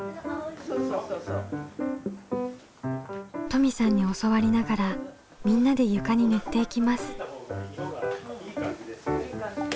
登美さんに教わりながらみんなで床に塗っていきます。